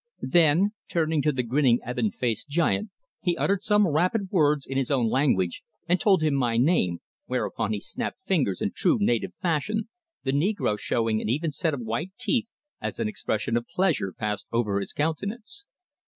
Then, turning to the grinning ebon faced giant he uttered some rapid words in his own language and told him my name, whereupon he snapped fingers in true native fashion, the negro showing an even set of white teeth as an expression of pleasure passed over his countenance.